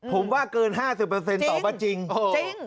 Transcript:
ผมว่าเกิน๕๐ตอบว่าจริง